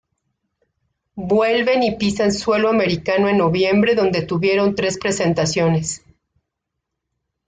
Vuelven y pisan suelo americano en noviembre donde tuvieron tres presentaciones.